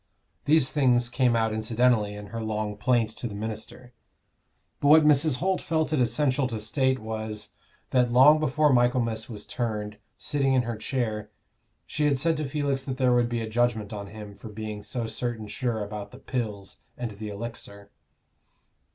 These things came out incidentally in her long plaint to the minister; but what Mrs. Holt felt it essential to state was, that long before Michaelmas was turned, sitting in her chair, she had said to Felix that there would be a judgment on him for being so certain sure about the Pills and the Elixir.